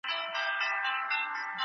د لویې جرګي غونډي څنګه ثبت او ساتل کیږي؟